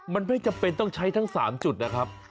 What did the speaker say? มันไม่จำเป็นต้องใช้ทั้ง๓จุดนะครับ